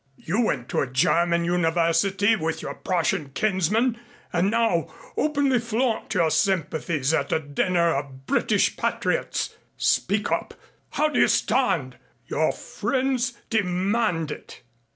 You went to a German university with your Prussian kinsmen and now openly flaunt your sympathies at a dinner of British patriots. Speak up. How do you stand? Your friends demand it."